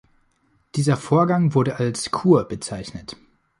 Dieser Vorgang wurde als „Kur“ bezeichnet.